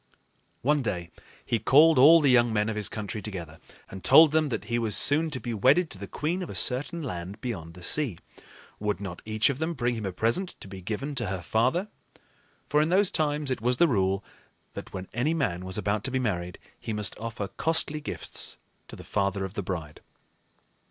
One day he called all the young men of his country together and told them that he was soon to be wedded to the queen of a certain land beyond the sea. Would not each of them bring him a present to be given to her father? For in those times it was the rule, that when any man was about to be married, he must offer costly gifts to the father of the bride.